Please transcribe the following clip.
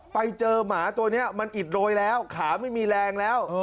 ไปเจอหมาตัวนี้มันอิดโรยแล้วขาไม่มีแรงแล้ว